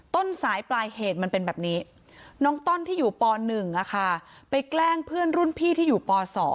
ต้นสายปลายเหตุมันเป็นแบบนี้น้องต้นที่อยู่ป๑ไปแกล้งเพื่อนรุ่นพี่ที่อยู่ป๒